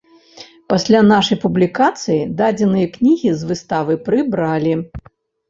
Пасля нашай публікацыі дадзеныя кнігі з выставы прыбралі.